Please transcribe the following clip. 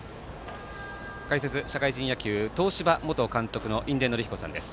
解説、社会人野球東芝元監督の印出順彦さんです。